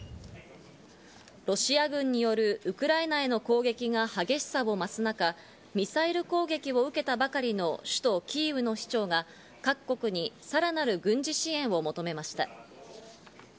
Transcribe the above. ロシア軍によるウクライナへの攻撃が激しさを増す中、ミサイル攻撃を受けたばかりの首都キーウの市長が各国にさらなる軍事支援を求めました。